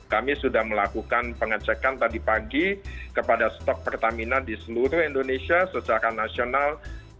kami sudah melakukan pengecekan tadi pagi kepada stok pertamina di seluruh indonesia secara nasional